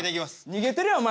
逃げてるやんお前。